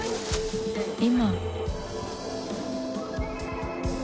今。